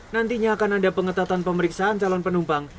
nantinya akan ada pengetatan pemeriksaan calon penumpang